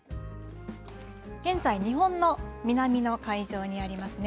現在、日本の南の海上にありますね。